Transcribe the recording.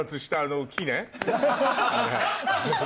あれ。